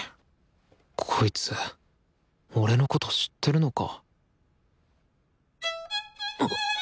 こいつ俺のこと知ってるのか？